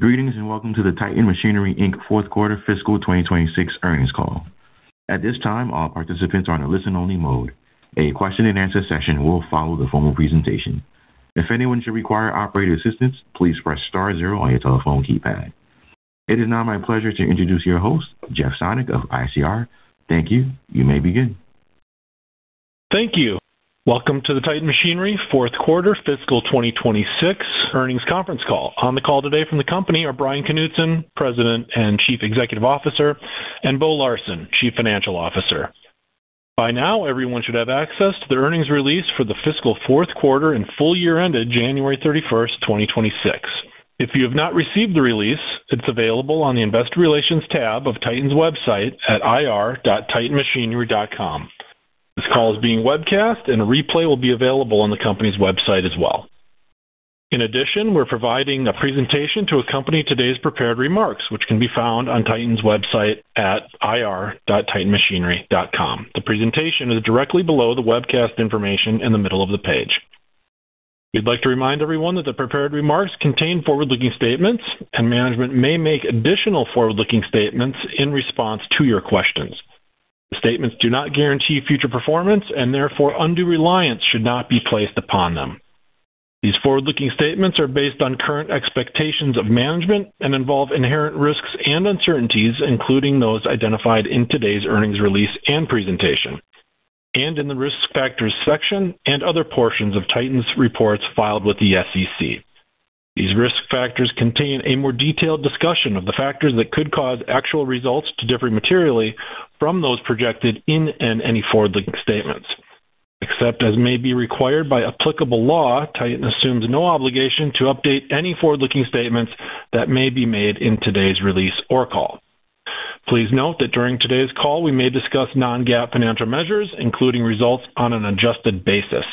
Greetings, and welcome to the Titan Machinery Inc. fourth quarter fiscal 2026 earnings call. At this time, all participants are on a listen-only mode. A question-and-answer session will follow the formal presentation. If anyone should require operator assistance, please press star zero on your telephone keypad. It is now my pleasure to introduce your host, Jeff Sonnek of ICR. Thank you. You may begin. Thank you. Welcome to the Titan Machinery fourth quarter fiscal 2026 earnings conference call. On the call today from the company are Bryan Knutson, President and Chief Executive Officer, and Bo Larsen, Chief Financial Officer. By now, everyone should have access to the earnings release for the fiscal fourth quarter and full year ended January 31, 2026. If you have not received the release, it's available on the investor relations tab of Titan's website at ir.titanmachinery.com. This call is being webcast and a replay will be available on the company's website as well. In addition, we're providing a presentation to accompany today's prepared remarks, which can be found on Titan's website at ir.titanmachinery.com. The presentation is directly below the webcast information in the middle of the page. We'd like to remind everyone that the prepared remarks contain forward-looking statements, and management may make additional forward-looking statements in response to your questions. The statements do not guarantee future performance and therefore undue reliance should not be placed upon them. These forward-looking statements are based on current expectations of management and involve inherent risks and uncertainties, including those identified in today's earnings release and presentation, and in the Risk Factors section and other portions of Titan's reports filed with the SEC. These risk factors contain a more detailed discussion of the factors that could cause actual results to differ materially from those projected in any forward-looking statements. Except as may be required by applicable law, Titan assumes no obligation to update any forward-looking statements that may be made in today's release or call. Please note that during today's call, we may discuss non-GAAP financial measures, including results on an adjusted basis.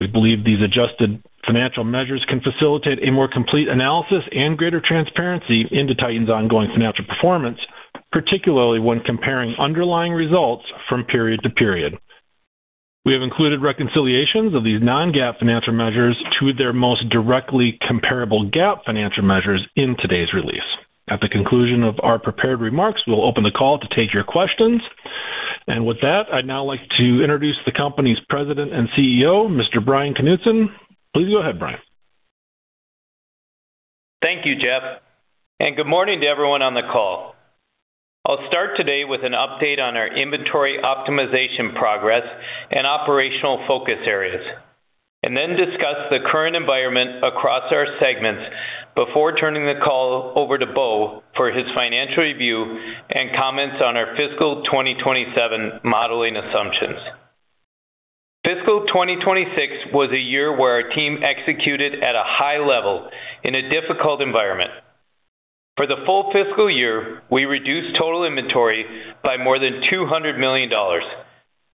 We believe these adjusted financial measures can facilitate a more complete analysis and greater transparency into Titan's ongoing financial performance, particularly when comparing underlying results from period to period. We have included reconciliations of these non-GAAP financial measures to their most directly comparable GAAP financial measures in today's release. At the conclusion of our prepared remarks, we'll open the call to take your questions. With that, I'd now like to introduce the company's President and CEO, Mr. Bryan Knutson. Please go ahead, Bryan. Thank you, Jeff, and good morning to everyone on the call. I'll start today with an update on our inventory optimization progress and operational focus areas, and then discuss the current environment across our segments before turning the call over to Bo for his financial review and comments on our fiscal 2027 modeling assumptions. Fiscal 2026 was a year where our team executed at a high level in a difficult environment. For the full fiscal year, we reduced total inventory by more than $200 million,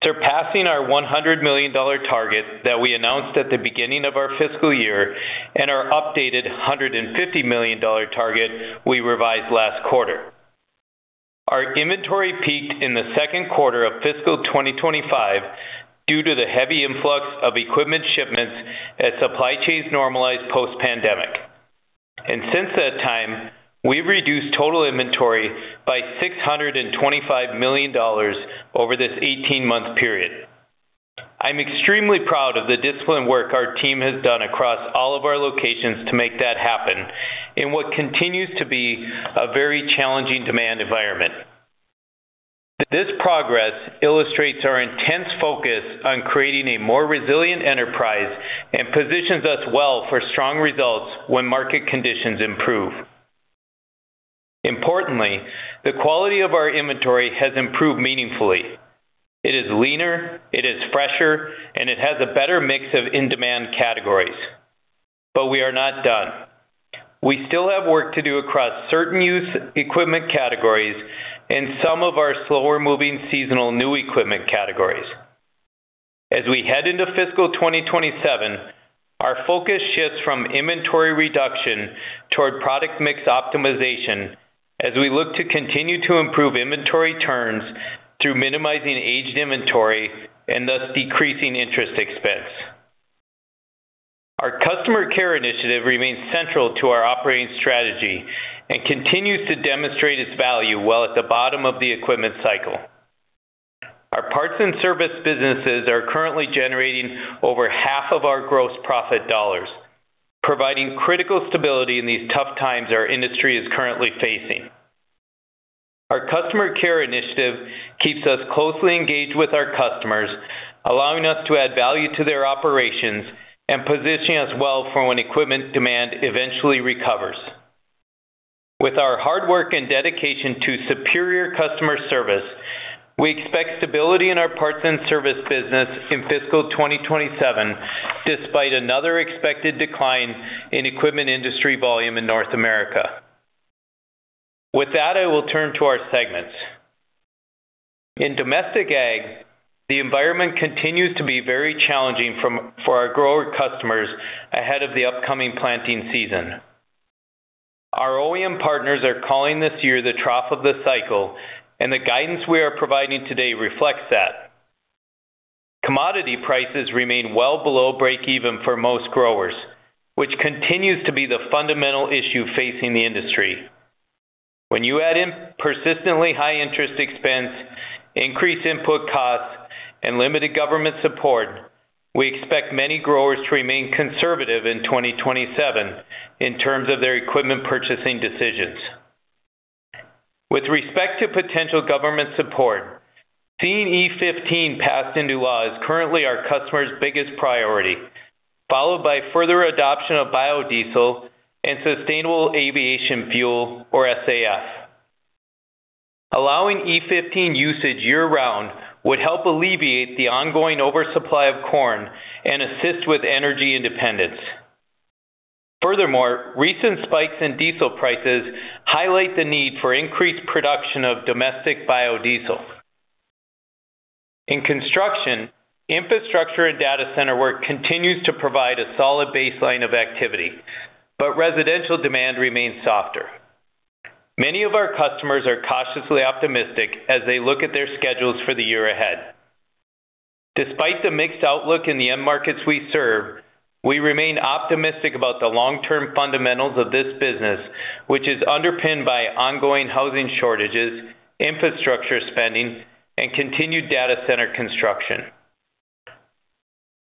surpassing our $100 million target that we announced at the beginning of our fiscal year and our updated $150 million target we revised last quarter. Our inventory peaked in the second quarter of fiscal 2025 due to the heavy influx of equipment shipments as supply chains normalized post-pandemic. Since that time, we've reduced total inventory by $625 million over this 18-month period. I'm extremely proud of the disciplined work our team has done across all of our locations to make that happen in what continues to be a very challenging demand environment. This progress illustrates our intense focus on creating a more resilient enterprise and positions us well for strong results when market conditions improve. Importantly, the quality of our inventory has improved meaningfully. It is leaner, it is fresher, and it has a better mix of in-demand categories. We are not done. We still have work to do across certain used equipment categories and some of our slower-moving seasonal new equipment categories. As we head into fiscal 2027, our focus shifts from inventory reduction toward product mix optimization as we look to continue to improve inventory turns through minimizing aged inventory and thus decreasing interest expense. Our customer care initiative remains central to our operating strategy and continues to demonstrate its value well at the bottom of the equipment cycle. Our parts and service businesses are currently generating over half of our gross profit dollars, providing critical stability in these tough times our industry is currently facing. Our customer care initiative keeps us closely engaged with our customers, allowing us to add value to their operations and positioning us well for when equipment demand eventually recovers. With our hard work and dedication to superior customer service, we expect stability in our parts and service business in fiscal 2027, despite another expected decline in equipment industry volume in North America. With that, I will turn to our segments. In domestic ag, the environment continues to be very challenging for our grower customers ahead of the upcoming planting season. Our OEM partners are calling this year the trough of the cycle, and the guidance we are providing today reflects that. Commodity prices remain well below breakeven for most growers, which continues to be the fundamental issue facing the industry. When you add in persistently high interest expense, increased input costs, and limited government support, we expect many growers to remain conservative in 2027 in terms of their equipment purchasing decisions. With respect to potential government support, seeing E15 passed into law is currently our customers' biggest priority, followed by further adoption of biodiesel and sustainable aviation fuel or SAF. Allowing E15 usage year-round would help alleviate the ongoing oversupply of corn and assist with energy independence. Furthermore, recent spikes in diesel prices highlight the need for increased production of domestic biodiesel. In construction, infrastructure and data center work continues to provide a solid baseline of activity, but residential demand remains softer. Many of our customers are cautiously optimistic as they look at their schedules for the year ahead. Despite the mixed outlook in the end markets we serve, we remain optimistic about the long-term fundamentals of this business, which is underpinned by ongoing housing shortages, infrastructure spending, and continued data center construction.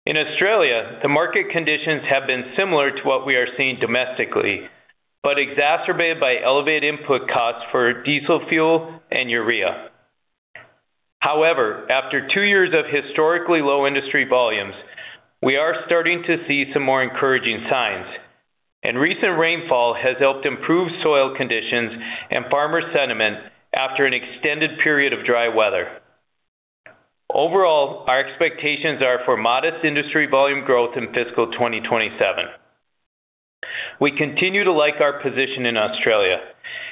In Australia, the market conditions have been similar to what we are seeing domestically, but exacerbated by elevated input costs for diesel fuel and urea. However, after two years of historically low industry volumes, we are starting to see some more encouraging signs, and recent rainfall has helped improve soil conditions and farmer sentiment after an extended period of dry weather. Overall, our expectations are for modest industry volume growth in fiscal 2027. We continue to like our position in Australia.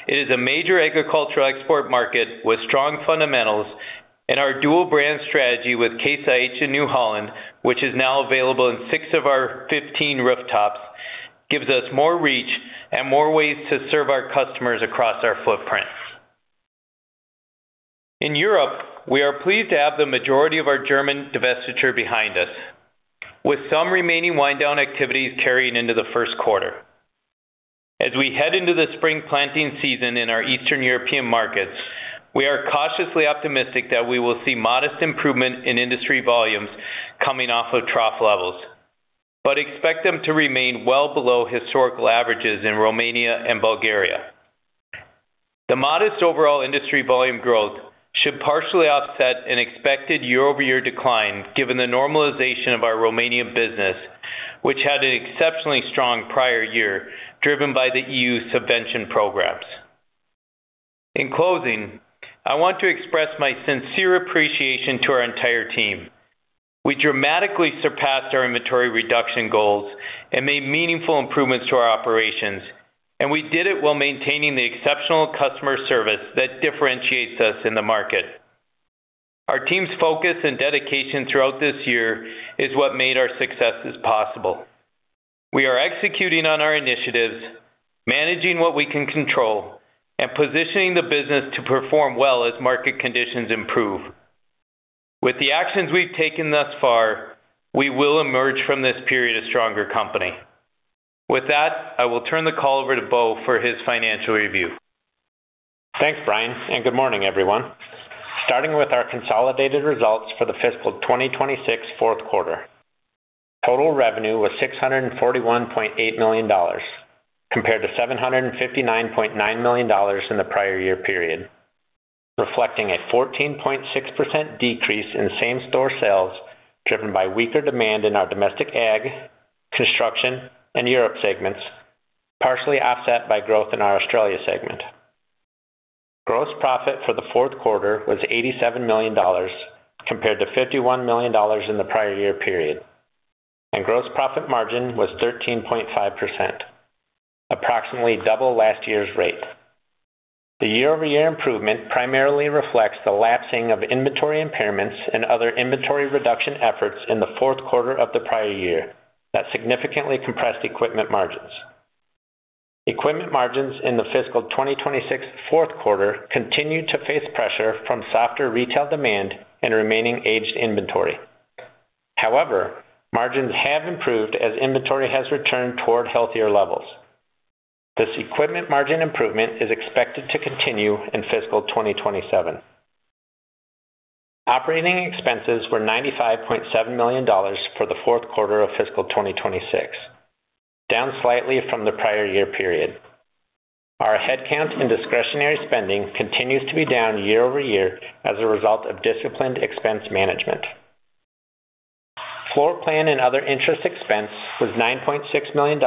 It is a major agricultural export market with strong fundamentals and our dual brand strategy with Case IH and New Holland, which is now available in six of our 15 rooftops, gives us more reach and more ways to serve our customers across our footprints. In Europe, we are pleased to have the majority of our German divestiture behind us, with some remaining wind-down activities carrying into the first quarter. As we head into the spring planting season in our Eastern European markets, we are cautiously optimistic that we will see modest improvement in industry volumes coming off of trough levels, but expect them to remain well below historical averages in Romania and Bulgaria. The modest overall industry volume growth should partially offset an expected year-over-year decline given the normalization of our Romanian business, which had an exceptionally strong prior year driven by the Common Agricultural Policy. In closing, I want to express my sincere appreciation to our entire team. We dramatically surpassed our inventory reduction goals and made meaningful improvements to our operations, and we did it while maintaining the exceptional customer service that differentiates us in the market. Our team's focus and dedication throughout this year is what made our successes possible. We are executing on our initiatives, managing what we can control, and positioning the business to perform well as market conditions improve. With the actions we've taken thus far, we will emerge from this period a stronger company. With that, I will turn the call over to Bo for his financial review. Thanks, Bryan, and good morning, everyone. Starting with our consolidated results for the fiscal 2026 fourth quarter. Total revenue was $641.8 million compared to $759.9 million in the prior year period, reflecting a 14.6% decrease in same-store sales driven by weaker demand in our domestic ag, construction, and Europe segments, partially offset by growth in our Australia segment. Gross profit for the fourth quarter was $87 million compared to $51 million in the prior year period, and gross profit margin was 13.5%, approximately double last year's rate. The year-over-year improvement primarily reflects the lapsing of inventory impairments and other inventory reduction efforts in the fourth quarter of the prior year that significantly compressed equipment margins. Equipment margins in the fiscal 2026 fourth quarter continued to face pressure from softer retail demand and remaining aged inventory. However, margins have improved as inventory has returned toward healthier levels. This equipment margin improvement is expected to continue in fiscal 2027. Operating expenses were $95.7 million for the fourth quarter of fiscal 2026, down slightly from the prior year period. Our headcount and discretionary spending continues to be down year-over-year as a result of disciplined expense management. Floor plan and other interest expense was $9.6 million,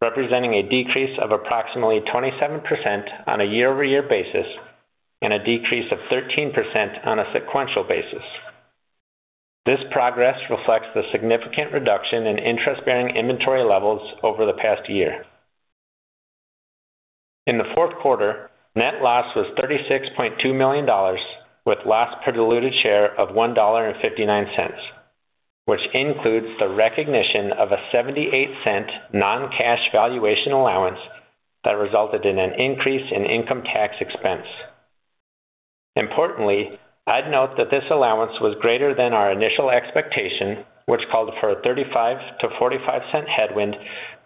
representing a decrease of approximately 27% on a year-over-year basis and a decrease of 13% on a sequential basis. This progress reflects the significant reduction in interest-bearing inventory levels over the past year. In the fourth quarter, net loss was $36.2 million with loss per diluted share of $1.59. Which includes the recognition of a 78-cent non-cash valuation allowance that resulted in an increase in income tax expense. Importantly, I'd note that this allowance was greater than our initial expectation, which called for a 35-45 cent headwind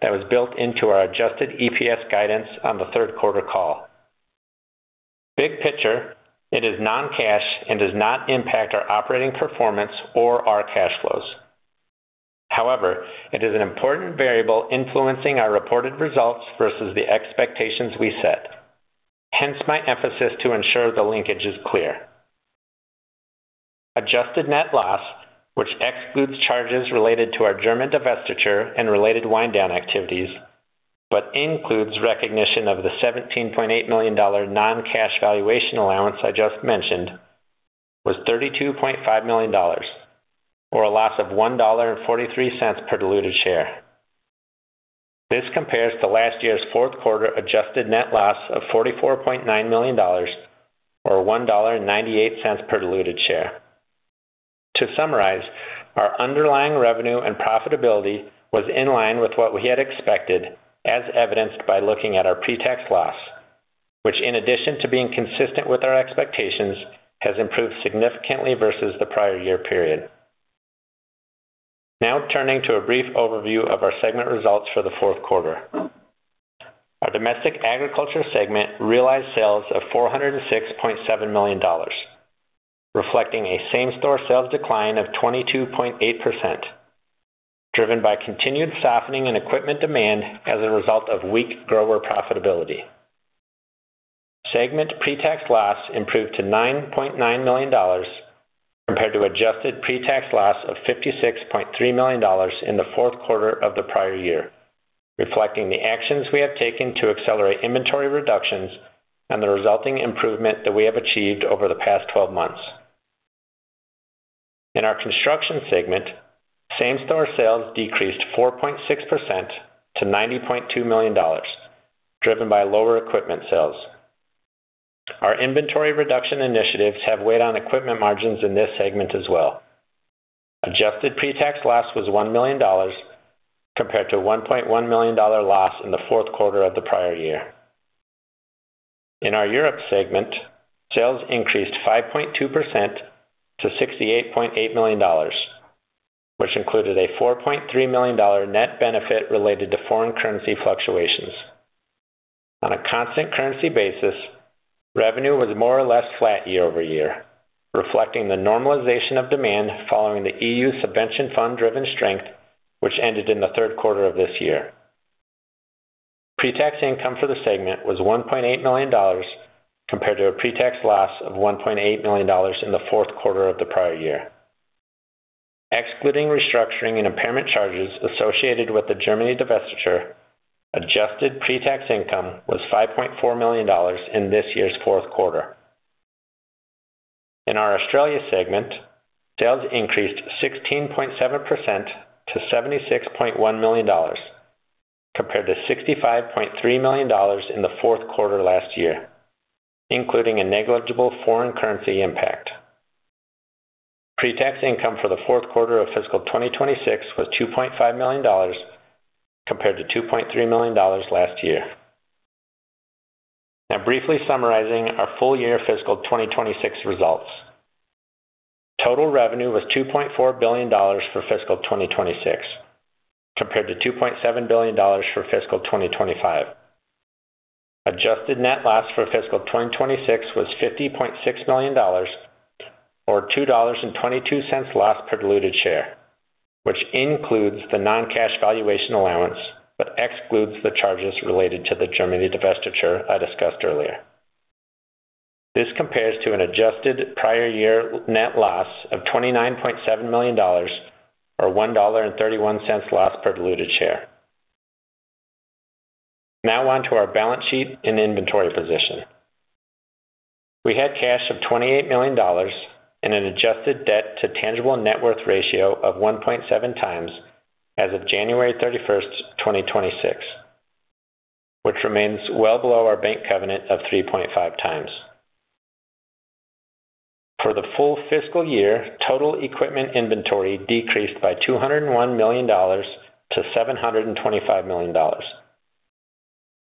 that was built into our adjusted EPS guidance on the third quarter call. Big picture, it is non-cash and does not impact our operating performance or our cash flows. However, it is an important variable influencing our reported results versus the expectations we set. Hence my emphasis to ensure the linkage is clear. Adjusted net loss, which excludes charges related to our German divestiture and related wind down activities, but includes recognition of the $17.8 million non-cash valuation allowance I just mentioned, was $32.5 million or a loss of $1.43 per diluted share. This compares to last year's fourth quarter adjusted net loss of $44.9 million or $1.98 per diluted share. To summarize, our underlying revenue and profitability was in line with what we had expected, as evidenced by looking at our pre-tax loss, which in addition to being consistent with our expectations, has improved significantly versus the prior year period. Now turning to a brief overview of our segment results for the fourth quarter. Our domestic agriculture segment realized sales of $406.7 million, reflecting a same-store sales decline of 22.8% driven by continued softening in equipment demand as a result of weak grower profitability. Segment pre-tax loss improved to $9.9 million compared to adjusted pre-tax loss of $56.3 million in the fourth quarter of the prior year, reflecting the actions we have taken to accelerate inventory reductions and the resulting improvement that we have achieved over the past twelve months. In our construction segment, same-store sales decreased 4.6% to $90.2 million driven by lower equipment sales. Our inventory reduction initiatives have weighed on equipment margins in this segment as well. Adjusted pre-tax loss was $1 million compared to $1.1 million dollar loss in the fourth quarter of the prior year. In our Europe segment, sales increased 5.2% to $68.8 million, which included a $4.3 million net benefit related to foreign currency fluctuations. On a constant currency basis, revenue was more or less flat year-over-year, reflecting the normalization of demand following the EU subvention fund driven strength, which ended in the third quarter of this year. Pre-tax income for the segment was $1.8 million compared to a pre-tax loss of $1.8 million in the fourth quarter of the prior year. Excluding restructuring and impairment charges associated with the Germany divestiture, adjusted pre-tax income was $5.4 million in this year's fourth quarter. In our Australia segment, sales increased 16.7% to 76.1 million dollars compared to 65.3 million dollars in the fourth quarter last year, including a negligible foreign currency impact. Pre-tax income for the fourth quarter of fiscal 2026 was $2.5 million compared to $2.3 million last year. Now briefly summarizing our full-year fiscal 2026 results. Total revenue was $2.4 billion for fiscal 2026 compared to $2.7 billion for fiscal 2025. Adjusted net loss for fiscal 2026 was $50.6 million or $2.22 loss per diluted share, which includes the non-cash valuation allowance but excludes the charges related to the Germany divestiture I discussed earlier. This compares to an adjusted prior year net loss of $29.7 million or $1.31 loss per diluted share. Now on to our balance sheet and inventory position. We had cash of $28 million and an adjusted debt to tangible net worth ratio of 1.7 times as of January 31, 2026, which remains well below our bank covenant of 3.5 times. For the full fiscal year, total equipment inventory decreased by $201 million-$725 million.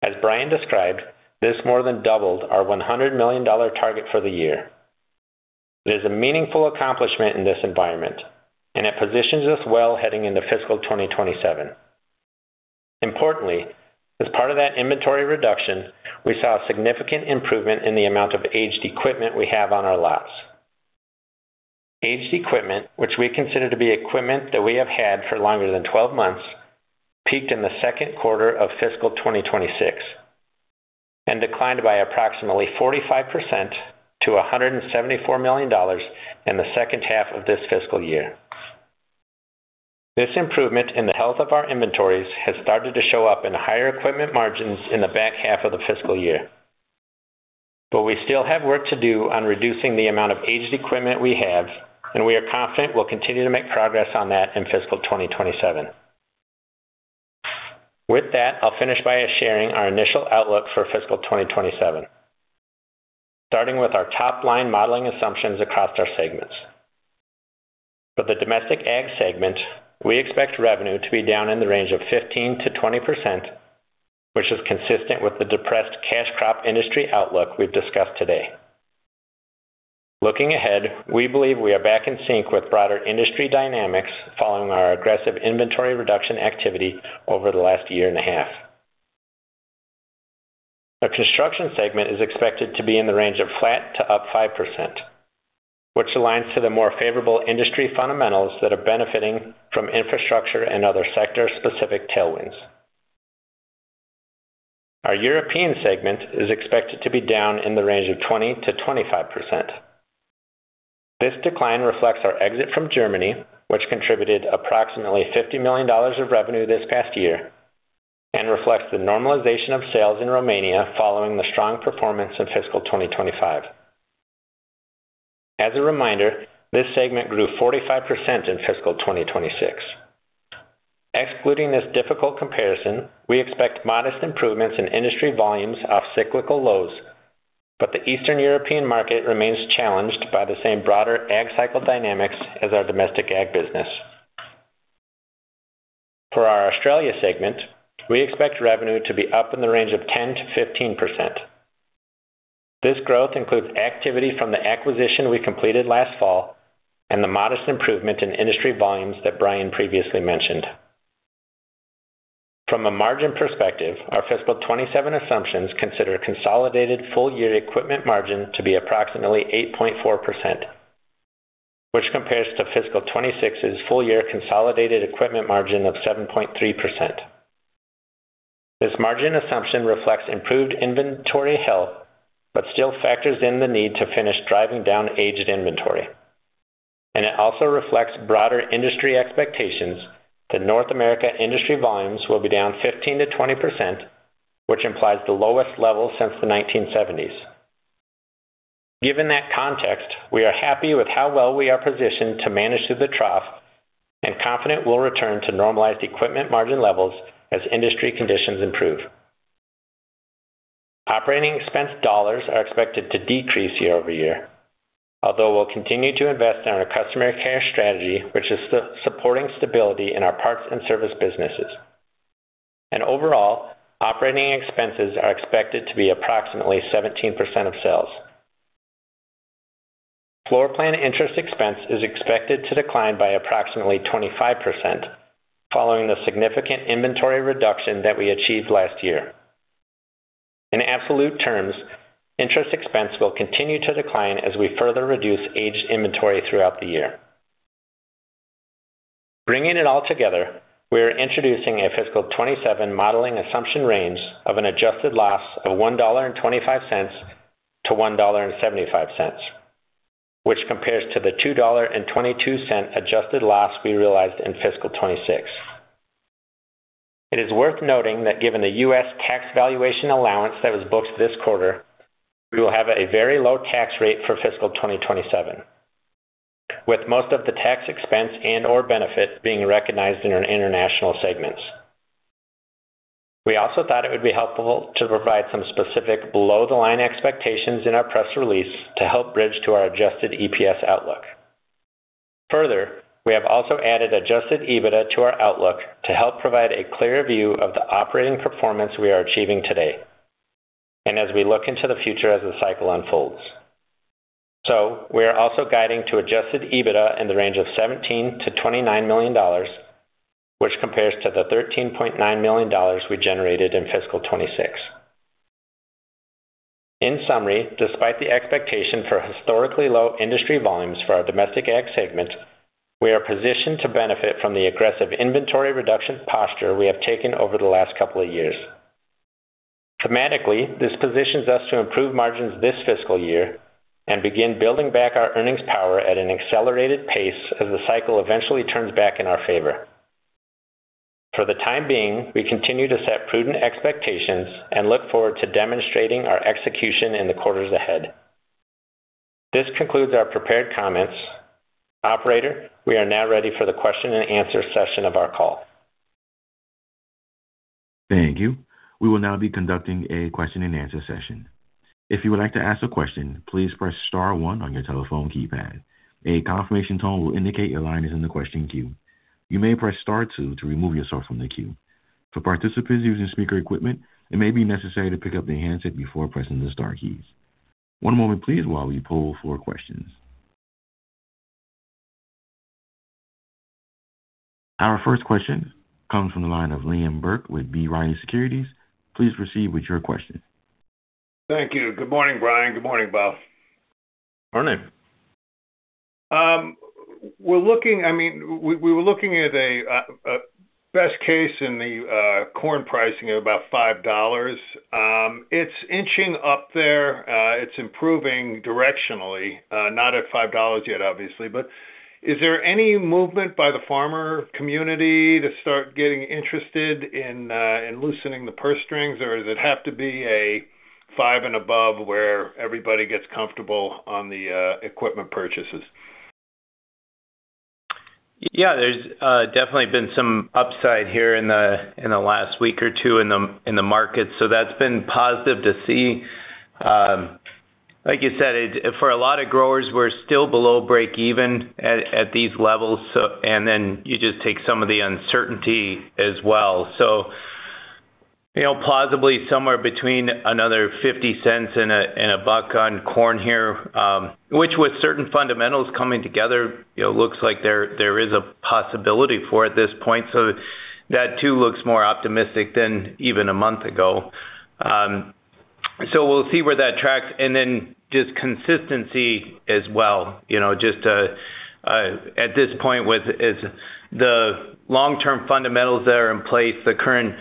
As Bryan described, this more than doubled our $100 million target for the year. It is a meaningful accomplishment in this environment, and it positions us well heading into fiscal 2027. Importantly, as part of that inventory reduction, we saw a significant improvement in the amount of aged equipment we have on our lots. Aged equipment, which we consider to be equipment that we have had for longer than 12 months, peaked in the second quarter of fiscal 2026 and declined by approximately 45% to $174 million in the second half of this fiscal year. This improvement in the health of our inventories has started to show up in higher equipment margins in the back half of the fiscal year. We still have work to do on reducing the amount of aged equipment we have, and we are confident we'll continue to make progress on that in fiscal 2027. With that, I'll finish by sharing our initial outlook for fiscal 2027. Starting with our top-line modeling assumptions across our segments. For the domestic ag segment, we expect revenue to be down in the range of 15%-20%, which is consistent with the depressed cash crop industry outlook we've discussed today. Looking ahead, we believe we are back in sync with broader industry dynamics following our aggressive inventory reduction activity over the last year and a half. Our construction segment is expected to be in the range of flat to up 5%, which aligns to the more favorable industry fundamentals that are benefiting from infrastructure and other sector-specific tailwinds. Our European segment is expected to be down in the range of 20%-25%. This decline reflects our exit from Germany, which contributed approximately $50 million of revenue this past year and reflects the normalization of sales in Romania following the strong performance in fiscal 2025. As a reminder, this segment grew 45% in fiscal 2026. Excluding this difficult comparison, we expect modest improvements in industry volumes off cyclical lows, but the Eastern European market remains challenged by the same broader ag cycle dynamics as our domestic ag business. For our Australia segment, we expect revenue to be up in the range of 10%-15%. This growth includes activity from the acquisition we completed last fall and the modest improvement in industry volumes that Bryan previously mentioned. From a margin perspective, our fiscal 2027 assumptions consider consolidated full-year equipment margin to be approximately 8.4%, which compares to fiscal 2026's full-year consolidated equipment margin of 7.3%. This margin assumption reflects improved inventory health but still factors in the need to finish driving down aged inventory. It also reflects broader industry expectations that North America industry volumes will be down 15%-20%, which implies the lowest level since the 1970s. Given that context, we are happy with how well we are positioned to manage through the trough and confident we'll return to normalized equipment margin levels as industry conditions improve. Operating expense dollars are expected to decrease year-over-year, although we'll continue to invest in our customer care strategy, which is supporting stability in our parts and service businesses. Overall, operating expenses are expected to be approximately 17% of sales. Floor plan interest expense is expected to decline by approximately 25% following the significant inventory reduction that we achieved last year. In absolute terms, interest expense will continue to decline as we further reduce aged inventory throughout the year. Bringing it all together, we are introducing a fiscal 2027 modeling assumption range of an adjusted loss of $1.25-$1.75, which compares to the $2.22 adjusted loss we realized in fiscal 2026. It is worth noting that given the U.S. tax valuation allowance that was booked this quarter, we will have a very low tax rate for fiscal 2027, with most of the tax expense and/or benefit being recognized in our international segments. We also thought it would be helpful to provide some specific below-the-line expectations in our press release to help bridge to our adjusted EPS outlook. Further, we have also added adjusted EBITDA to our outlook to help provide a clearer view of the operating performance we are achieving today and as we look into the future as the cycle unfolds. We are also guiding to adjusted EBITDA in the range of $17 million-$29 million, which compares to the $13.9 million we generated in fiscal 2026. In summary, despite the expectation for historically low industry volumes for our domestic ag segment, we are positioned to benefit from the aggressive inventory reduction posture we have taken over the last couple of years. Thematically, this positions us to improve margins this fiscal year and begin building back our earnings power at an accelerated pace as the cycle eventually turns back in our favor. For the time being, we continue to set prudent expectations and look forward to demonstrating our execution in the quarters ahead. This concludes our prepared comments. Operator, we are now ready for the question and answer session of our call. Thank you. We will now be conducting a question-and-answer session. If you would like to ask a question, please press star one on your telephone keypad. A confirmation tone will indicate your line is in the question queue. You may press star two to remove yourself from the queue. For participants using speaker equipment, it may be necessary to pick up the handset before pressing the star keys. One moment please while we poll for questions. Our first question comes from the line of Liam Burke with B. Riley Securities. Please proceed with your question. Thank you. Good morning, Bryan. Good morning, Bo. Morning. I mean, we were looking at a best case in the corn pricing of about $5. It's inching up there. It's improving directionally, not at $5 yet, obviously. Is there any movement by the farmer community to start getting interested in loosening the purse strings, or does it have to be a $5 and above where everybody gets comfortable on the equipment purchases? Yeah, there's definitely been some upside here in the last week or two in the market, so that's been positive to see. Like you said, for a lot of growers, we're still below break even at these levels. And then you just take some of the uncertainty as well. You know, plausibly somewhere between another $0.50 and $1 on corn here, which with certain fundamentals coming together, you know, looks like there is a possibility for at this point. That too looks more optimistic than even a month ago. We'll see where that tracks. Then just consistency as well, you know, just to at this point what is the long-term fundamentals that are in place, the current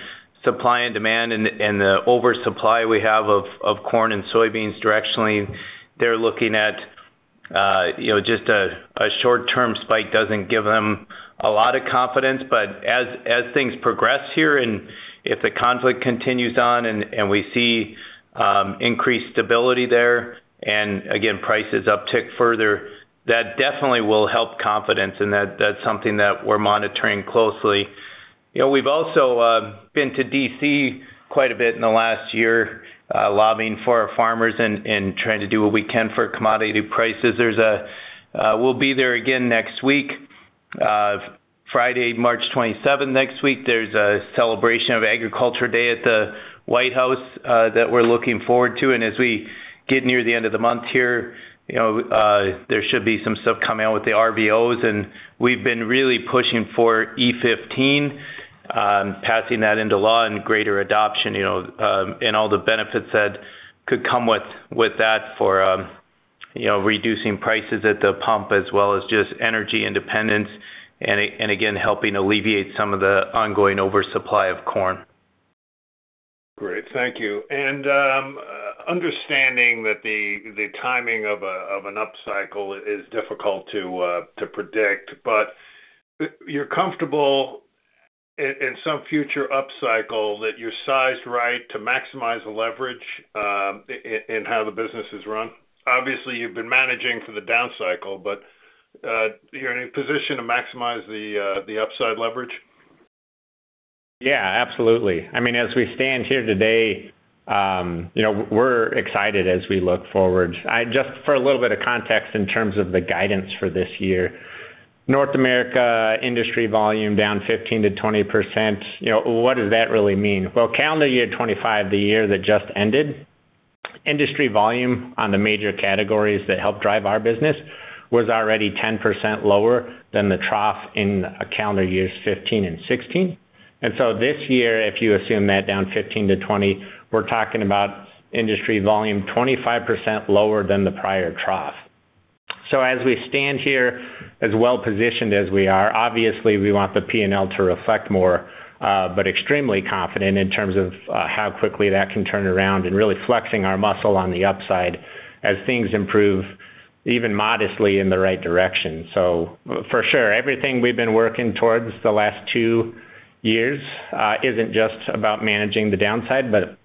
supply and demand and the oversupply we have of corn and soybeans directionally, they're looking at, you know, just a short-term spike doesn't give them a lot of confidence. As things progress here, and if the conflict continues on and we see increased stability there, and again, prices uptick further, that definitely will help confidence. That's something that we're monitoring closely. You know, we've also been to D.C. quite a bit in the last year, lobbying for our farmers and trying to do what we can for commodity prices. We'll be there again next week, Friday, March twenty-seventh. Next week, there's a celebration of National Ag Day at the White House that we're looking forward to. As we get near the end of the month here, you know, there should be some stuff coming out with the RVOs, and we've been really pushing for E15, passing that into law and greater adoption, you know, and all the benefits that could come with that for, you know, reducing prices at the pump as well as just energy independence and again, helping alleviate some of the ongoing oversupply of corn. Great. Thank you. Understanding that the timing of an upcycle is difficult to predict, but you're comfortable in some future upcycle that you're sized right to maximize the leverage in how the business is run. Obviously, you've been managing for the down cycle, but you're in a position to maximize the upside leverage. Yeah, absolutely. I mean, as we stand here today, you know, we're excited as we look forward. Just for a little bit of context in terms of the guidance for this year. North America industry volume down 15%-20%. You know, what does that really mean? Well, calendar year 2025, the year that just ended, industry volume on the major categories that help drive our business was already 10% lower than the trough in calendar years 2015 and 2016. This year, if you assume that down 15%-20%, we're talking about industry volume 25% lower than the prior trough. As we stand here, as well positioned as we are, obviously we want the P&L to reflect more, but extremely confident in terms of, how quickly that can turn around and really flexing our muscle on the upside as things improve even modestly in the right direction. For sure, everything we've been working towards the last two years, isn't just about managing the downside, but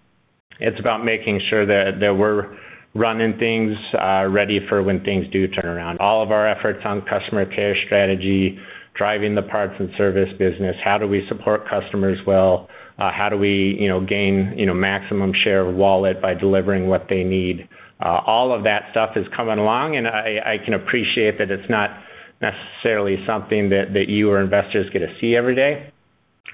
it's about making sure that we're running things, ready for when things do turn around. All of our efforts on customer care strategy, driving the parts and service business, how do we support customers well, how do we, you know, gain, you know, maximum share of wallet by delivering what they need? All of that stuff is coming along, and I can appreciate that it's not necessarily something that you or investors get to see every day.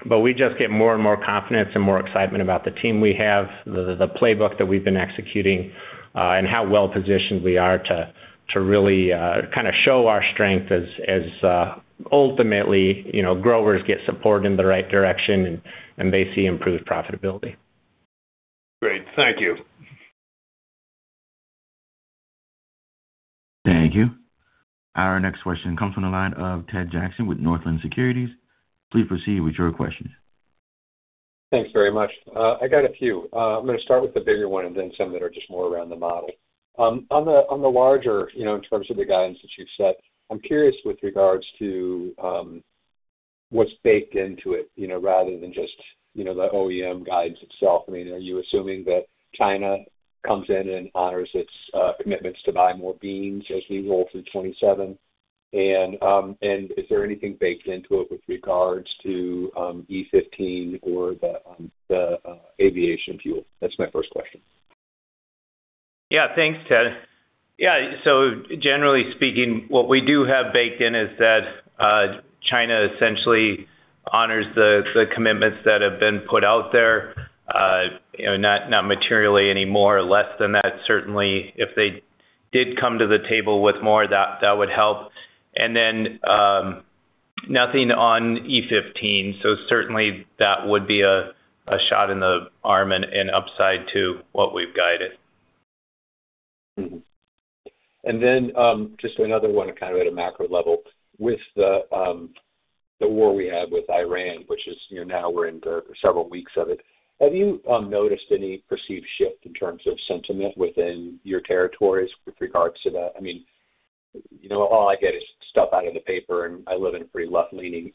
We just get more and more confidence and more excitement about the team we have, the playbook that we've been executing, and how well-positioned we are to really kinda show our strength as ultimately, you know, growers get support in the right direction and they see improved profitability. Great. Thank you. Thank you. Our next question comes from the line of Ted Jackson with Northland Securities. Please proceed with your question. Thanks very much. I got a few. I'm gonna start with the bigger one and then some that are just more around the model. On the larger, you know, in terms of the guidance that you've set, I'm curious with regards to what's baked into it, you know, rather than just, you know, the OEM guides itself. I mean, are you assuming that China comes in and honors its commitments to buy more beans as we roll through 2027? Is there anything baked into it with regards to E15 or the aviation fuel? That's my first question. Yeah. Thanks, Ted. Yeah. Generally speaking, what we do have baked in is that, China essentially honors the commitments that have been put out there, you know, not materially any more or less than that. Certainly, if they did come to the table with more, that would help. Then, nothing on E15. Certainly that would be a shot in the arm and upside to what we've guided. Mm-hmm. Just another one kind of at a macro level. With the war we have with Iran, which is, you know, now we're into several weeks of it, have you noticed any perceived shift in terms of sentiment within your territories with regards to that? I mean, you know, all I get is stuff out of the paper, and I live in a pretty left-leaning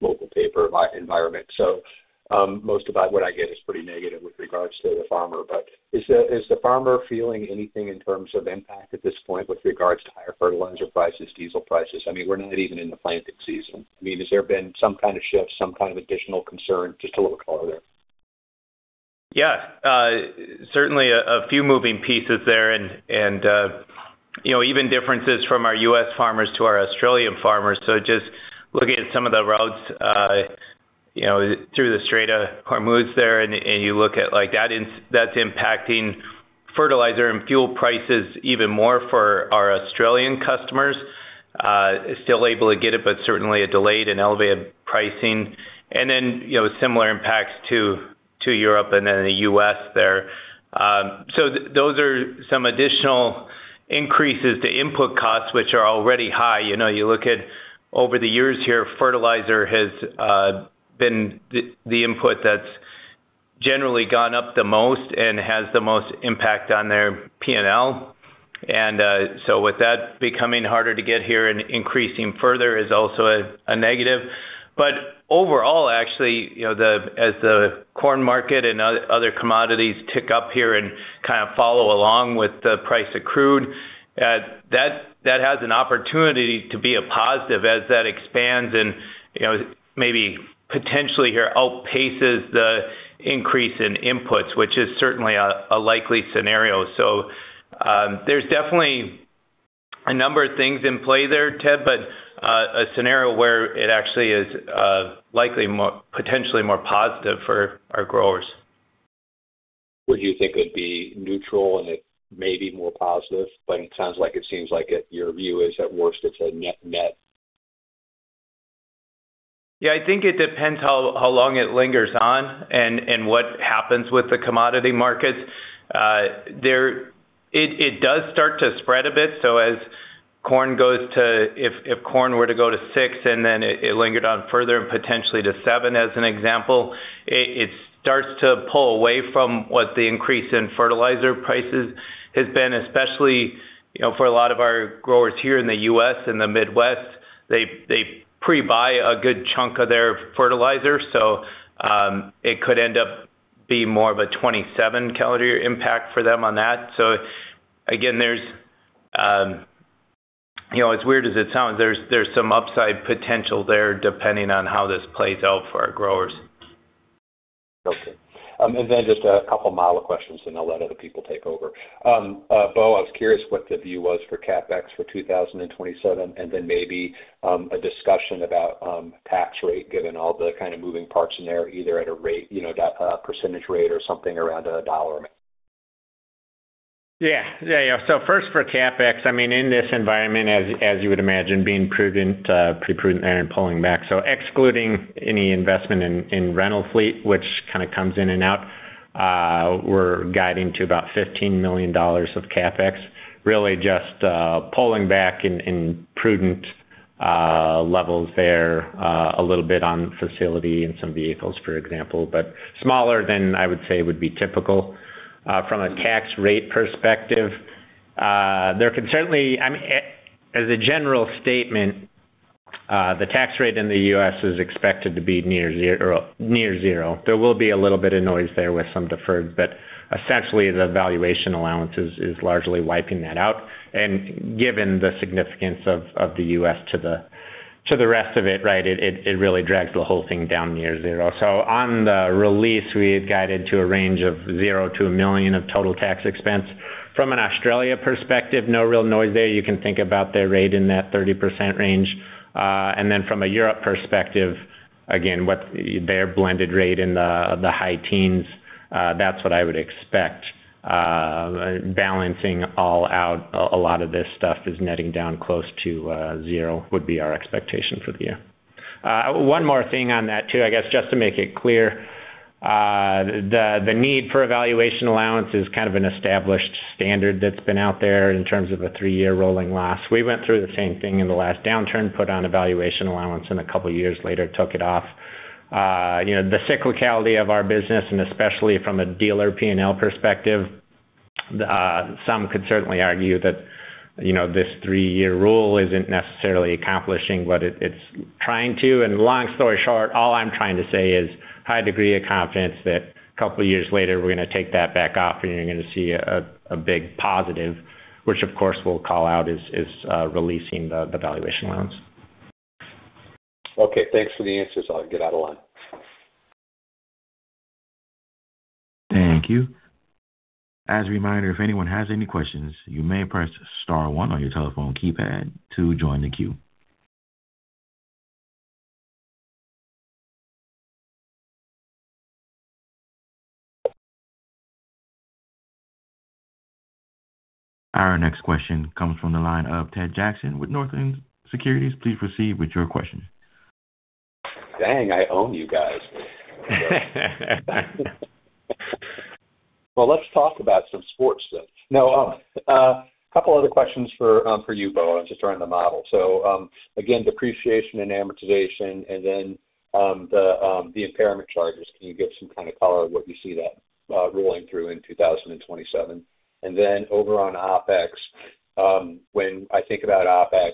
local paper environment. Most of what I get is pretty negative with regards to the farmer. Is the farmer feeling anything in terms of impact at this point with regards to higher fertilizer prices, diesel prices? I mean, we're not even in the planting season. I mean, has there been some kind of shift, some kind of additional concern? Just a little color there. Yeah. Certainly a few moving pieces there and, you know, even differences from our U.S. farmers to our Australian farmers. Just looking at some of the routes, you know, through the Strait of Hormuz there, and you look at like that. That's impacting fertilizer and fuel prices even more for our Australian customers. Still able to get it, but certainly a delay and elevated pricing. You know, similar impacts to Europe and then the U.S. there. Those are some additional increases to input costs, which are already high. You know, you look at over the years here, fertilizer has been the input that's generally gone up the most and has the most impact on their P&L. With that becoming harder to get here and increasing further is also a negative. Overall, actually, you know, as the corn market and other commodities tick up here and kind of follow along with the price of crude, that has an opportunity to be a positive as that expands and, you know, maybe potentially here outpaces the increase in inputs, which is certainly a likely scenario. There's definitely a number of things in play there, Ted, a scenario where it actually is likely potentially more positive for our growers. Would you think it'd be neutral and it may be more positive? It sounds like your view is at worst, it's a net net. Yeah. I think it depends how long it lingers on and what happens with the commodity markets. It does start to spread a bit. If corn were to go to six, and then it lingered on further and potentially to seven, as an example, it starts to pull away from what the increase in fertilizer prices has been, especially, you know, for a lot of our growers here in the U.S. and the Midwest. They pre-buy a good chunk of their fertilizer, so it could end up being more of a 2027 calendar year impact for them on that. Again, you know, as weird as it sounds, there's some upside potential there depending on how this plays out for our growers. Okay. Just a couple of model questions, and I'll let other people take over. Bo, I was curious what the view was for CapEx for 2027, and then maybe a discussion about tax rate, given all the kind of moving parts in there, either at a rate, you know, that percentage rate or something around a dollar amount. Yeah, first for CapEx, I mean, in this environment, as you would imagine, being prudent, pretty prudent there and pulling back. Excluding any investment in rental fleet, which kind of comes in and out, we're guiding to about $15 million of CapEx, really just pulling back in prudent levels there, a little bit on facility and some vehicles, for example. But smaller than I would say would be typical. From a tax rate perspective, there can certainly, as a general statement, the tax rate in the U.S. is expected to be near zero. There will be a little bit of noise there with some deferred, but essentially the valuation allowance is largely wiping that out. Given the significance of the U.S. to the rest of it, right, it really drags the whole thing down near zero. On the release, we had guided to a range of $0 million-$1 million of total tax expense. From an Australia perspective, no real noise there. You can think about their rate in that 30% range. From a Europe perspective, again, their blended rate in the high teens, that's what I would expect. Balancing all out, a lot of this stuff is netting down close to zero would be our expectation for the year. One more thing on that too, I guess, just to make it clear. The need for a valuation allowance is kind of an established standard that's been out there in terms of a three-year rolling loss. We went through the same thing in the last downturn, put on a valuation allowance and a couple of years later took it off. You know, the cyclicality of our business, and especially from a dealer P&L perspective, some could certainly argue that, you know, this three-year rule isn't necessarily accomplishing what it's trying to. Long story short, all I'm trying to say is high degree of confidence that a couple of years later, we're gonna take that back off, and you're gonna see a big positive, which of course we'll call out as releasing the valuation allowance. Okay, thanks for the answers. I'll get out of line. Thank you. As a reminder, if anyone has any questions, you may press star one on your telephone keypad to join the queue. Our next question comes from the line of Ted Jackson with Northland Securities. Please proceed with your question. Dang, I own you guys. Well, let's talk about some sports then. No, couple other questions for you, Bo, just around the model. Again, depreciation and amortization and then the impairment charges. Can you give some kind of color of what you see that rolling through in 2027? Then over on OpEx, when I think about OpEx,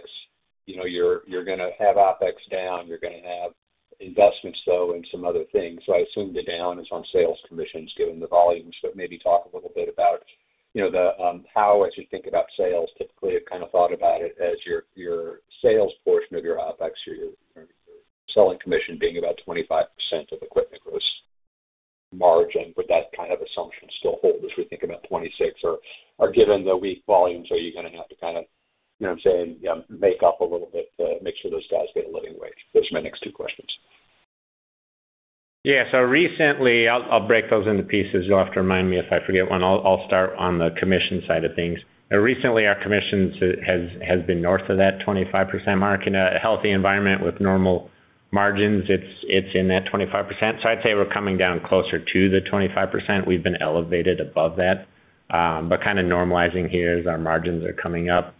you know, you're gonna have OpEx down, you're gonna have investments though, and some other things. I assume the down is on sales commissions given the volumes. Maybe talk a little bit about, you know, the how as you think about sales, typically, I kind of thought about it as your sales portion of your OpEx or your selling commission being about 25% of equipment gross margin. Would that kind of assumption still hold as we think about 2026? Or given the weak volumes, are you gonna have to kind of, you know what I'm saying, make up a little bit to make sure those guys get a living wage? Those are my next two questions. Yeah. Recently, I'll break those into pieces. You'll have to remind me if I forget one. I'll start on the commission side of things. Recently, our commissions has been north of that 25% mark. In a healthy environment with normal margins, it's in that 25%. I'd say we're coming down closer to the 25%. We've been elevated above that, but kind of normalizing here as our margins are coming up.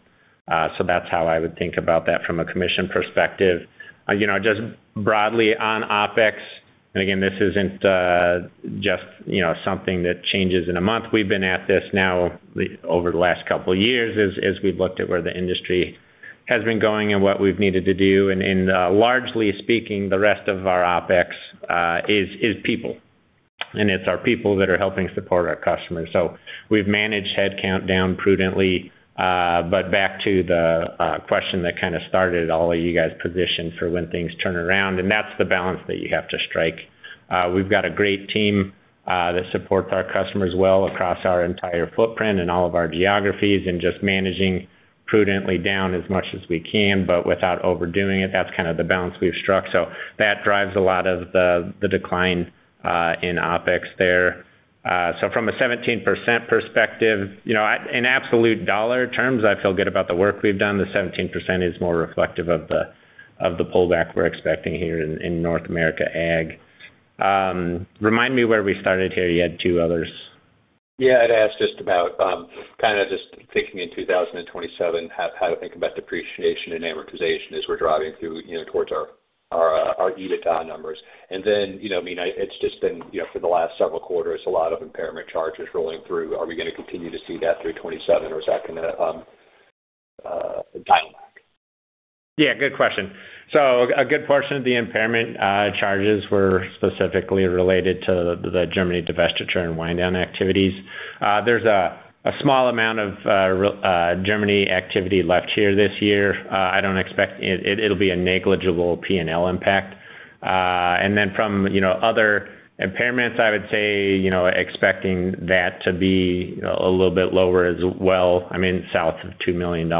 That's how I would think about that from a commission perspective. You know, just broadly on OpEx, and again, this isn't just, you know, something that changes in a month. We've been at this now over the last couple of years as we've looked at where the industry has been going and what we've needed to do. Largely speaking, the rest of our OpEx is people, and it's our people that are helping support our customers. We've managed headcount down prudently. Back to the question that kind of started all of you guys positioned for when things turn around, and that's the balance that you have to strike. We've got a great team that supports our customers well across our entire footprint and all of our geographies and just managing prudently down as much as we can, but without overdoing it. That's kind of the balance we've struck. That drives a lot of the decline in OpEx there. From a 17% perspective, you know, in absolute dollar terms, I feel good about the work we've done. The 17% is more reflective of the pullback we're expecting here in North America Ag. Remind me where we started here. You had two others. Yeah. I'd ask just about kind of just thinking in 2027, how to think about depreciation and amortization as we're driving through, you know, towards our our EBITDA numbers. Then, you know, I mean, it's just been, you know, for the last several quarters, a lot of impairment charges rolling through. Are we gonna continue to see that through 2027 or is that gonna dial back? Yeah, good question. So a good portion of the impairment charges were specifically related to the Germany divestiture and wind down activities. There's a small amount of Germany activity left here this year. I don't expect it. It'll be a negligible P&L impact. From you know, other impairments, I would say, you know, expecting that to be, you know, a little bit lower as well. I mean, south of $2 million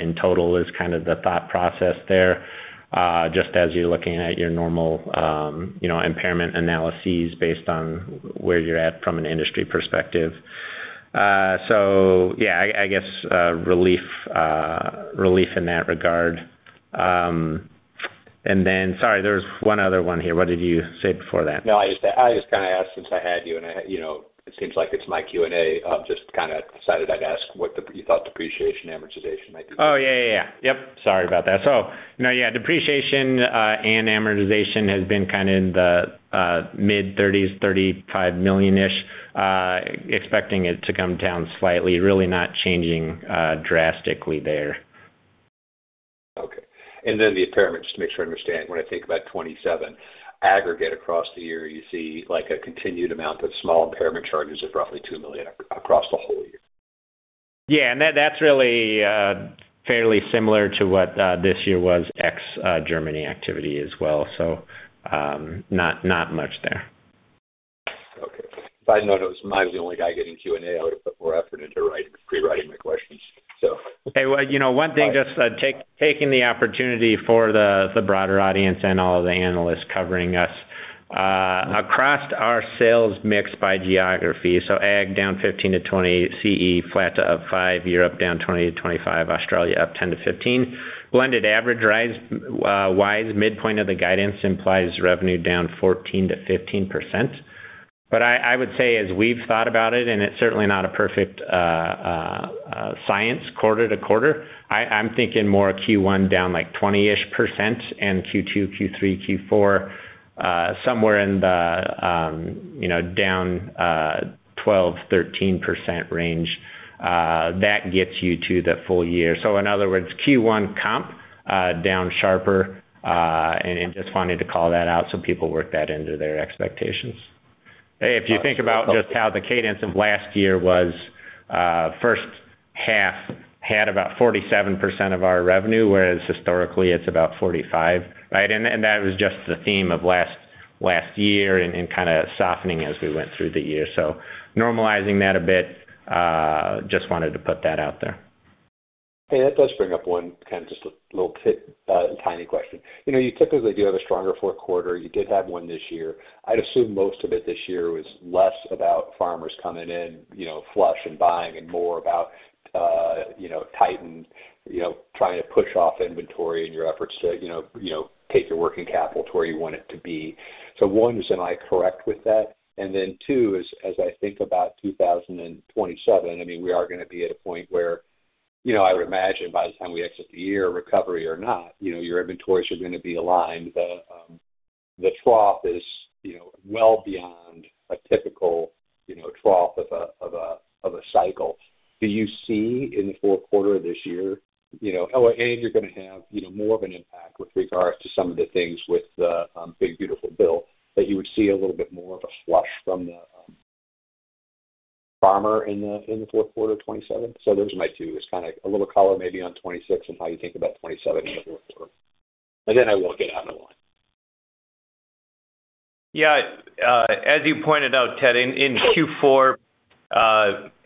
in total is kind of the thought process there, just as you're looking at your normal you know, impairment analyses based on where you're at from an industry perspective. Yeah, I guess relief in that regard. Sorry, there was one other one here. What did you say before that? No, I just kind of asked since I had you, and I, you know, it seems like it's my Q&A. Just kind of decided I'd ask what you thought depreciation, amortization might be. Oh, yeah. Yep, sorry about that. Now, yeah, depreciation and amortization has been kind of in the mid-30s, $35 million-ish. Expecting it to come down slightly. Really not changing drastically there. Okay. The impairment, just to make sure I understand. When I think about 27, aggregate across the year, you see, like, a continued amount of small impairment charges of roughly $2 million across the whole year. Yeah. That's really fairly similar to what this year was, ex Germany activity as well. Not much there. Okay. If I'd known I was maybe the only guy getting Q&A, I would've put more effort into pre-writing my questions. Hey, well, you know, one thing, just taking the opportunity for the broader audience and all of the analysts covering us. Across our sales mix by geography, so Ag down 15%-20%, CE flat to up 5%, Europe down 20%-25%, Australia up 10%-15%. Blended average, right, wide midpoint of the guidance implies revenue down 14%-15%. I would say, as we've thought about it, and it's certainly not a perfect science quarter to quarter, I'm thinking more Q1 down, like, 20-ish% and Q2, Q3, Q4 somewhere in the down 12%-13% range. That gets you to the full year. In other words, Q1 comp down sharper. Just wanted to call that out so people work that into their expectations. Hey, if you think about just how the cadence of last year was, first half had about 47% of our revenue, whereas historically it's about 45%, right? That was just the theme of last year and kind of softening as we went through the year. Normalizing that a bit, just wanted to put that out there. Hey, that does bring up one kind of just a little tiny question. You know, you typically do have a stronger fourth quarter. You did have one this year. I'd assume most of it this year was less about farmers coming in, you know, flush and buying and more about, you know, tightening, you know, trying to push off inventory and your efforts to, you know, take your working capital to where you want it to be. One, am I correct with that? Two is, as I think about 2027, I mean, we are gonna be at a point where, you know, I would imagine by the time we exit the year, recovery or not, you know, your inventories are gonna be aligned. The trough is, you know, well beyond a typical, you know, trough of a cycle. Do you see in the fourth quarter of this year, you know, you're gonna have, you know, more of an impact with regards to some of the things with the Build Back Better Act that you would see a little bit more of a flush from the farmer in the fourth quarter of 2027? Those are my two. It's kinda a little color maybe on 2026 and how you think about 2027 in the fourth quarter. I will get out of the line. Yeah, as you pointed out, Ted, in Q4,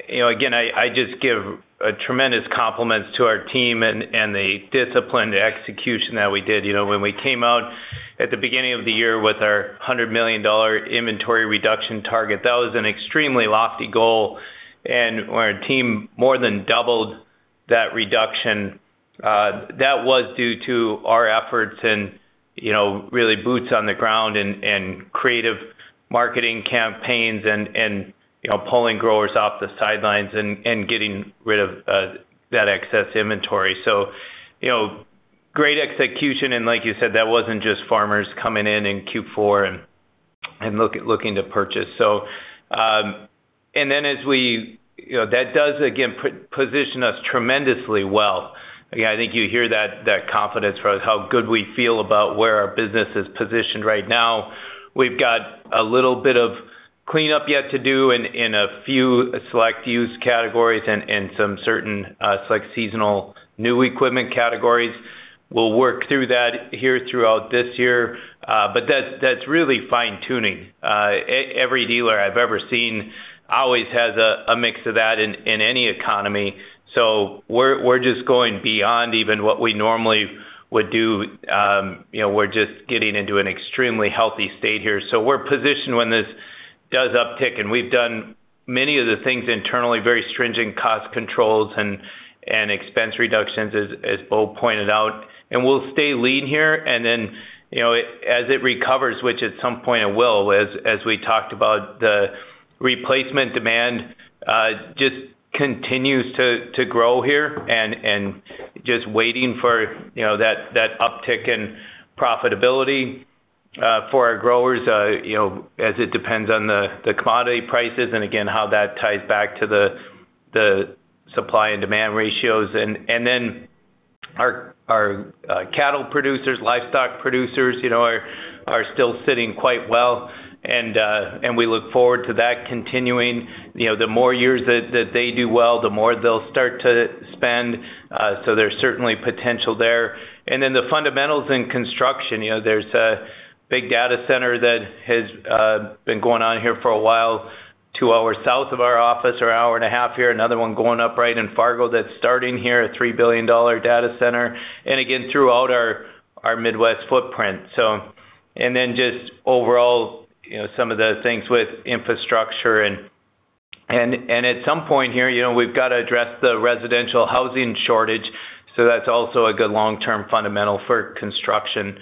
you know, again, I just give tremendous compliments to our team and the disciplined execution that we did. You know, when we came out at the beginning of the year with our $100 million inventory reduction target, that was an extremely lofty goal. Our team more than doubled that reduction. That was due to our efforts and, you know, really boots on the ground and creative marketing campaigns and pulling growers off the sidelines and getting rid of that excess inventory. You know, great execution. Like you said, that wasn't just farmers coming in in Q4 and looking to purchase. You know, that does again position us tremendously well. Again, I think you hear that confidence for how good we feel about where our business is positioned right now. We've got a little bit of cleanup yet to do in a few select used categories and in some certain select seasonal new equipment categories. We'll work through that here throughout this year. But that's really fine-tuning. Every dealer I've ever seen always has a mix of that in any economy. We're just going beyond even what we normally would do. You know, we're just getting into an extremely healthy state here. We're positioned when this does uptick. We've done many of the things internally, very stringent cost controls and expense reductions as Bo pointed out. We'll stay lean here. Then, you know, as it recovers, which at some point it will. As we talked about the replacement demand, just continues to grow here and just waiting for, you know, that uptick in profitability for our growers, you know, as it depends on the commodity prices and again, how that ties back to the supply and demand ratios. Then our cattle producers, livestock producers, you know, are still sitting quite well and we look forward to that continuing. You know, the more years that they do well, the more they'll start to spend. So there's certainly potential there. Then the fundamentals in construction. You know, there's a big data center that has been going on here for a while, two hours south of our office or hour and a half here. Another one going up right in Fargo that's starting here, a $3 billion data center. Again, throughout our Midwest footprint. Just overall, you know, some of the things with infrastructure and at some point here, you know, we've got to address the residential housing shortage. That's also a good long-term fundamental for construction.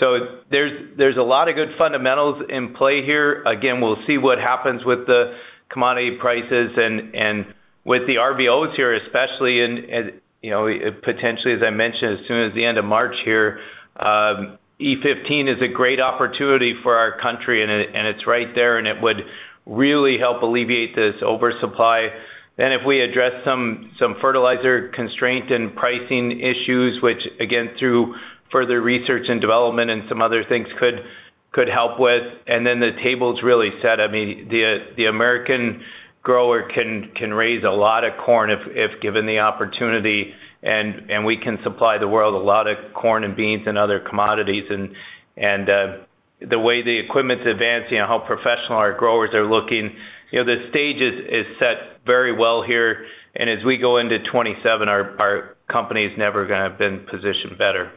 There's a lot of good fundamentals in play here. Again, we'll see what happens with the commodity prices and with the RVO here, especially in, you know, potentially, as I mentioned, as soon as the end of March here. E15 is a great opportunity for our country and it, and it's right there, and it would really help alleviate this oversupply. If we address some fertilizer constraint and pricing issues, which again, through further research and development and some other things could help with. The table's really set. I mean, the American grower can raise a lot of corn if given the opportunity. The way the equipment's advancing and how professional our growers are looking, you know, the stage is set very well here. As we go into 2027, our company is never gonna have been positioned better.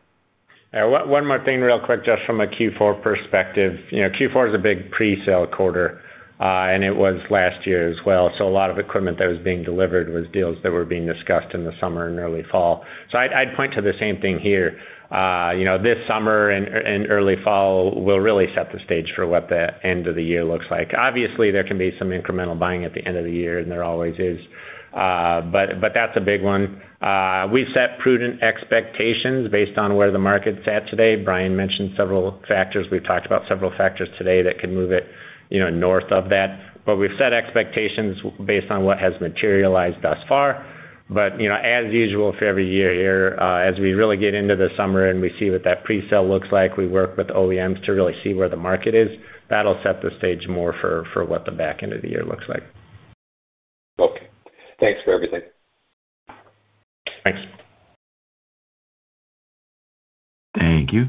Yeah. One more thing real quick, just from a Q4 perspective. You know, Q4 is a big presale quarter, and it was last year as well. A lot of equipment that was being delivered was deals that were being discussed in the summer and early fall. I'd point to the same thing here. You know, this summer and early fall will really set the stage for what the end of the year looks like. Obviously, there can be some incremental buying at the end of the year, and there always is. That's a big one. We've set prudent expectations based on where the market's at today. Bryan mentioned several factors. We've talked about several factors today that can move it, you know, north of that. We've set expectations based on what has materialized thus far. You know, as usual for every year here, as we really get into the summer and we see what that presale looks like, we work with OEMs to really see where the market is. That'll set the stage more for what the back end of the year looks like. Okay. Thanks for everything. Thanks. Thank you.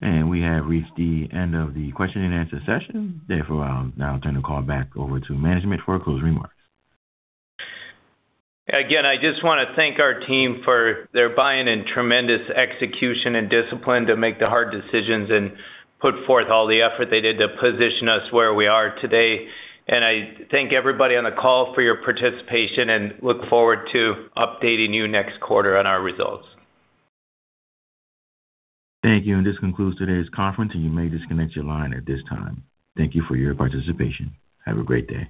We have reached the end of the question and answer session. Therefore, I'll now turn the call back over to management for closing remarks. Again, I just wanna thank our team for their buy-in and tremendous execution and discipline to make the hard decisions and put forth all the effort they did to position us where we are today. I thank everybody on the call for your participation, and look forward to updating you next quarter on our results. Thank you. This concludes today's conference, and you may disconnect your line at this time. Thank you for your participation. Have a great day.